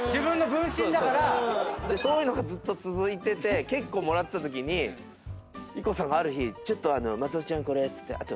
そういうのがずっと続いてて結構もらってたときにＩＫＫＯさんがある日「ちょっと松尾ちゃんこれ」っつって。